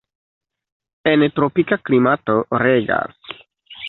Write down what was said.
En tropika klimato regas.